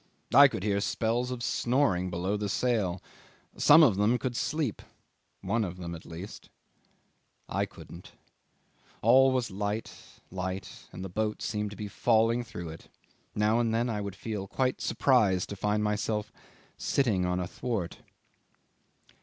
I could hear spells of snoring below the sail. Some of them could sleep. One of them at least. I couldn't! All was light, light, and the boat seemed to be falling through it. Now and then I would feel quite surprised to find myself sitting on a thwart.